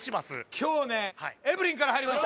今日はねエブリンから入ります。